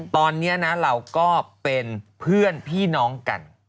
ตอนนี้นะเราก็เป็นเพื่อนพี่น้องกัน